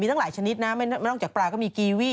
มีตั้งหลายชนิดนะไม่ต้องจากปลาก็มีกีวี